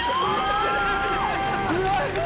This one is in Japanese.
すごい！